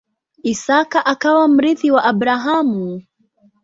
Isaka akawa mrithi wa Abrahamu.